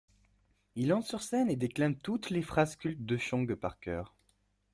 Il entre sur scène et déclame toutes les phrases cultes de Chong par cœur.